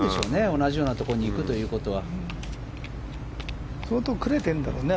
同じようなところにいくということは。